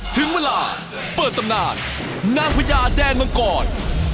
ถึงเวลาเปิดตำนานนางพญาแดนมังกร